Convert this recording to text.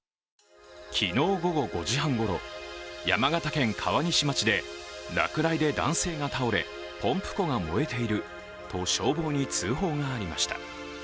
昨日午後５時半ごろ、山形県川西町で落雷で男性が倒れポンプ庫が燃えていると消防に通報がありました。